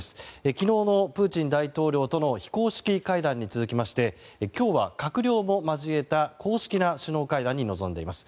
昨日のプーチン大統領との非公式会談に続きまして今日は閣僚も交えた公式な首脳会談に臨んでいます。